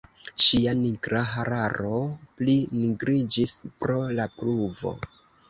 Ŝia nigra hararo pli nigriĝis pro la pluvo.